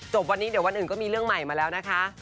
วันนี้เดี๋ยววันอื่นก็มีเรื่องใหม่มาแล้วนะคะ